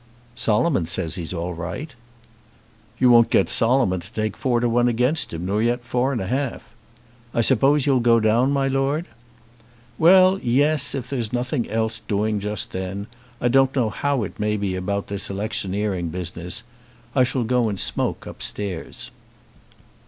"Solomon says he's all right." "You won't get Solomon to take four to one against him, nor yet four and a half. I suppose you'll go down, my Lord?" "Well, yes; if there's nothing else doing just then. I don't know how it may be about this electioneering business. I shall go and smoke upstairs."